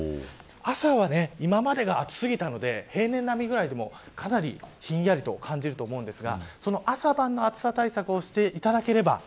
朝は今までが暑過ぎたので平年並みくらいでかなりひんやりと感じると思うんですが、朝晩の暑さ対策をしていただければ。